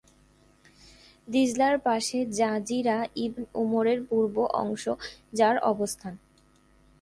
দিজলার পাশে জাযীরা ইবন উমরের পূর্ব অংশে যার অবস্থান।